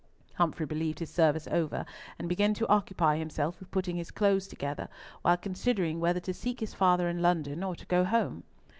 Humfrey believed his service over, and began to occupy himself with putting his clothes together, while considering whether to seek his father in London or to go home.